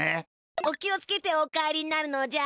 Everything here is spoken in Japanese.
お気をつけてお帰りになるのじゃ。